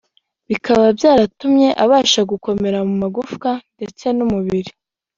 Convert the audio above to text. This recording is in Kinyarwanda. bikaba byaratumye abasha gukomera mu magufa ndetse n’umubiri